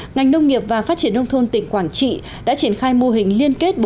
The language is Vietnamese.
ngành nông nghiệp và phát triển nông thôn tỉnh quảng trị đã triển khai mô hình liên kết